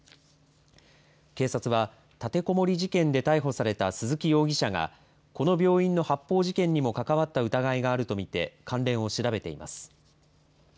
警察は立てこもり事件で逮捕された鈴木容疑者がこの病院の発砲事件にも関わった疑いがあると見て関連を調べています。